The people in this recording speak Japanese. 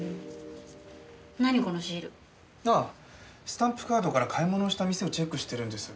スタンプカードから買い物した店をチェックしてるんです。